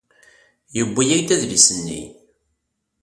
Yewwi-yak-d adlis-nni.